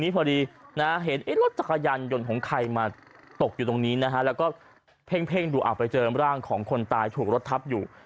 เพ่งดูอัพไปเจอร์มร่างของคนตายถูกรถทับอยู่